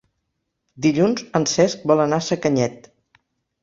Dilluns en Cesc vol anar a Sacanyet.